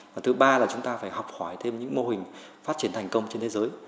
và thứ ba là chúng ta phải học hỏi thêm những mô hình phát triển thành công trên thế giới